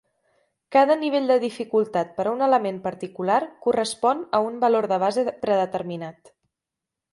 Cada nivell de dificultat per a un element particular correspon a un valor de base predeterminat.